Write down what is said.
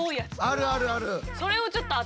あるあるある。